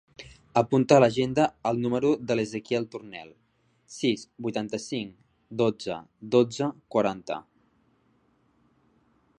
Apunta a l'agenda el número de l'Ezequiel Tornel: sis, vuitanta-cinc, dotze, dotze, quaranta.